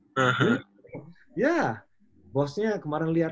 iya bosnya kemarin lihat